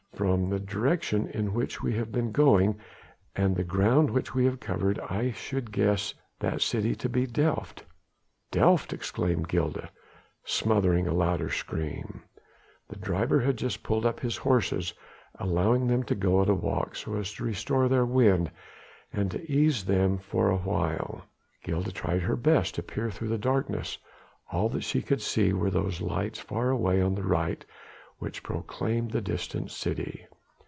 "From the direction in which we have been going and the ground which we have covered I should guess that city to be Delft." "Delft!" exclaimed Gilda, smothering a louder scream. The driver had just pulled up his horses, allowing them to go at a walk so as to restore their wind and ease them for awhile. Gilda tried her best to peer through the darkness. All that she could see were those lights far away on the right which proclaimed the distant city.